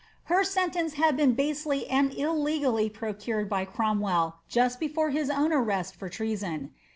Her sentence had been basely and illegally procured by Cromwell, just before his own arrest for treason.'